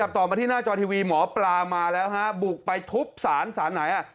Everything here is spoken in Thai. ต่อมาที่หน้าจอทีวีหมอปลามาแล้วฮะบุกไปทุบสารสารไหน